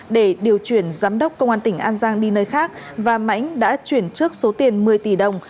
để điều chuyển giám đốc công an tỉnh an giang đi nơi khác và mãnh đã chuyển trước số tiền một mươi tỷ đồng